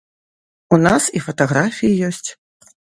У нас і фатаграфіі ёсць.